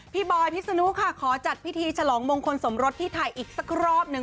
บอยพิษนุค่ะขอจัดพิธีฉลองมงคลสมรสที่ไทยอีกสักรอบหนึ่ง